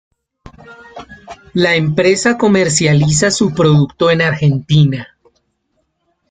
La Empresa comercializa su producto en Argentina.